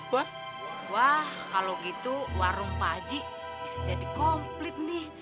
wah wah kalau gitu warung paji bisa jadi komplit nih